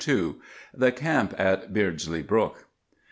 THE CAMP ON BEARDSLEY BROOK.